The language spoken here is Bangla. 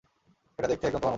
এটা দেখতে একদম তোমার মত।